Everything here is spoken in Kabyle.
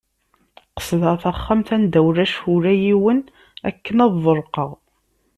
Qesdeɣ taxxamt anda ulac ula yiwen akken ad ḍelqeɣ.